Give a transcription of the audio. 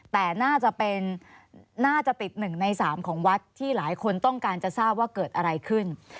แต่น่าจะเป็นน่าจะติด๑ใน๓ของวัดที่หลายคนต้องการจะทราบว่าเกิดอะไรขึ้น